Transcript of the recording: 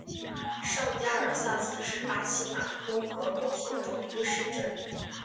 上加尔萨斯是巴西马托格罗索州的一个市镇。